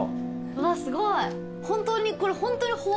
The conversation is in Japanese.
うわっすごい。